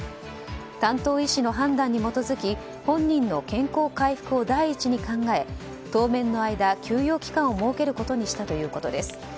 担当医師の判断に基づき本人の健康回復を第一に考え当面の間、休養期間を設けることにしたということです。